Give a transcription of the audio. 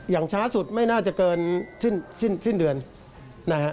อย่างช้าสุดไม่น่าจะเกินสิ้นเดือนนะฮะ